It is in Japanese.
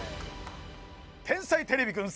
「天才てれびくん」